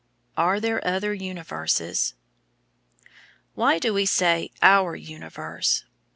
Are there other Universes? Why do we say "our universe"?